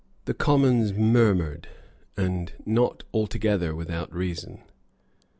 The Commons murmured, and not altogether without reason.